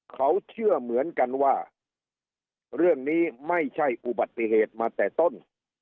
เขาเชื่อเหมือนกันว่าเรื่องนี้ไม่ใช่อุบัติเหตุมาแต่ต้น